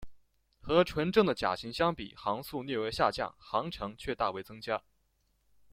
和纯正的甲型相比航速略为下降航程却大为增加。